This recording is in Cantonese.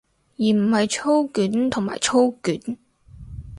而唔係操卷同埋操卷